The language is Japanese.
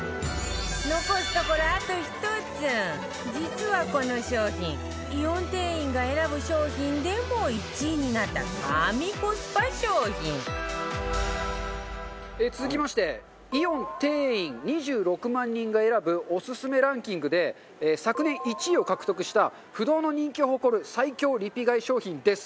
残すところ、あと１つ実は、この商品イオン店員が選ぶ商品でも１位になった、神コスパ商品中丸：イオン店員２６万人が選ぶオススメランキングで昨年１位を獲得した不動の人気を誇る最強リピ買い商品です。